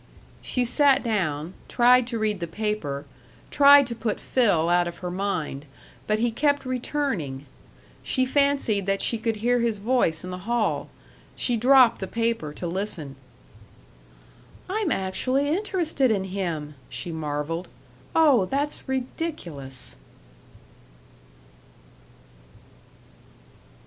She sat down, tried to read the paper, tried to put Phil out of her mind. But he kept returning. She fancied that she could hear his voice in the hall. She dropped the paper to listen. "I'm actually interested in him!" she marveled. "Oh, that's ridiculous!"